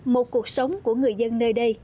một cuộc sống của người dân nơi đây